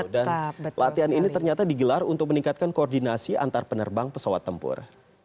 dan latihan ini ternyata digelar untuk meningkatkan koordinasi antar penerbang pesawat tempur